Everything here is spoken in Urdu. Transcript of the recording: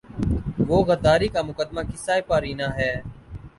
وہ غداری کا مقدمہ قصۂ پارینہ ہے۔